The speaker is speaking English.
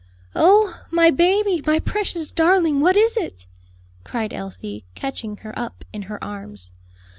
"Oh, my baby! my precious darling, what is it?" cried Elsie, catching her up in her arms.